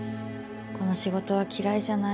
この仕事は嫌いじゃない。